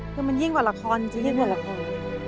คือมันยิ่งกว่าระครที่รีบในระคร